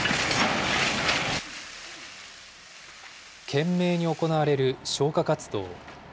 懸命に行われる消火活動。